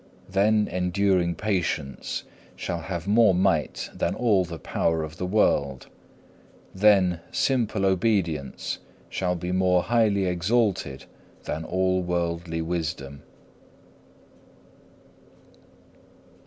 Then enduring patience shall have more might than all the power of the world. Then simple obedience shall be more highly exalted than all worldly wisdom.